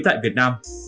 tại việt nam